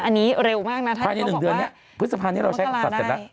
อันนี้เร็วมากน่ะถ้าที่เขาบอกว่าพื้นสะพานนี้เราใช้กับสัตว์เสร็จแล้ว